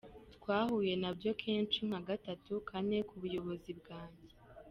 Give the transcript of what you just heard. Twahuye nabyo kenshi nka gatatu, kane, ku buyobozi bwanjye.